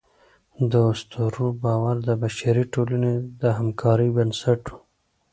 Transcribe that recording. د اسطورو باور د بشري ټولنې د همکارۍ بنسټ و.